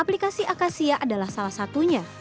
aplikasi akasia adalah salah satunya